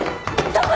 どこ？